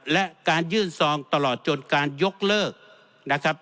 และการยื่นซองตลอดจนการยกเลิกนะครับ